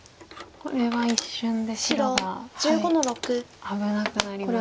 これは一瞬で白が危なくなりますか。